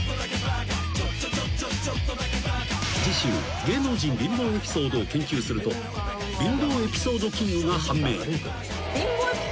［次週芸能人貧乏エピソードを研究すると貧乏エピソードキングが判明］